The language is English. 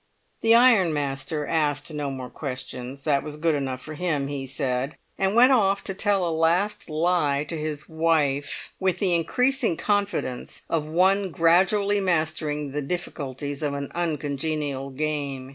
The ironmaster asked no more questions; that was good enough for him, he said, and went off to tell a last lie to his wife, with the increasing confidence of one gradually mastering the difficulties of an uncongenial game.